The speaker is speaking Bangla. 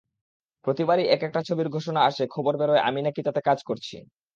প্রতিবারই একেকটা ছবির ঘোষণা আসে, খবর বেরোয় আমি নাকি তাতে কাজ করছি।